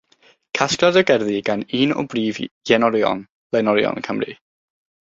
Casgliad o gerddi gan un o brif lenorion Cymru.